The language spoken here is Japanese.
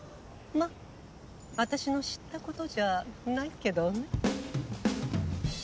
まっ私の知ったことじゃないけどね。